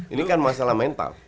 ini kan masalah mental